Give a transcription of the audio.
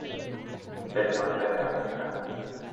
Del Norte de África.